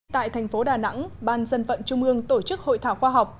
tại thành phố đà nẵng ban dân vận trung ương tổ chức hội thảo khoa học